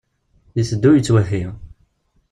Iteddu yettwehhi.